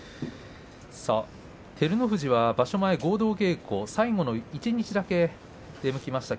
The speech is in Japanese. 照ノ富士は場所前合同稽古、最後一日だけ出向きました。